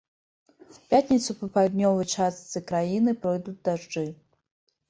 У пятніцу па паўднёвай частцы краіны пройдуць дажджы.